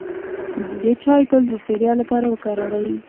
د چای ګل د ستړیا لپاره وکاروئ